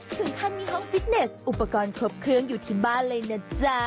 ถึงขั้นมีห้องฟิตเนสอุปกรณ์ครบเครื่องอยู่ที่บ้านเลยนะจ๊ะ